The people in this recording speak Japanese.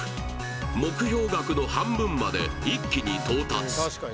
目標額の半分まで一気に到達。